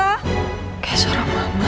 kayak suara mama